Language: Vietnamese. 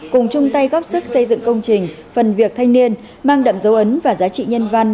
cùng chung tay góp sức xây dựng công trình phần việc thanh niên mang đậm dấu ấn và giá trị nhân văn